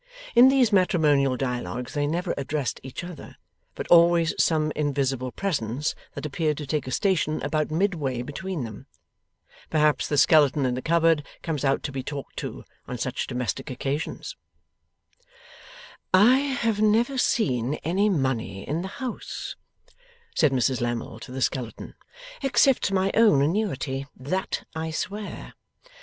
In these matrimonial dialogues they never addressed each other, but always some invisible presence that appeared to take a station about midway between them. Perhaps the skeleton in the cupboard comes out to be talked to, on such domestic occasions? 'I have never seen any money in the house,' said Mrs Lammle to the skeleton, 'except my own annuity. That I swear.